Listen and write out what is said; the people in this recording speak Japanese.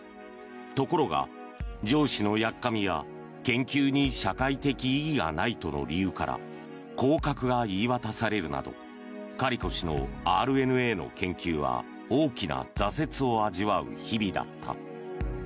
ところが、上司のやっかみや研究に社会的意義がないとの理由から降格が言い渡されるなどカリコ氏のＲＮＡの研究は大きな挫折を味わう日々だった。